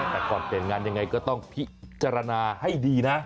แต่ก่อนเปลี่ยนงานยังไงก็ต้องพิจารณาให้ดีนะ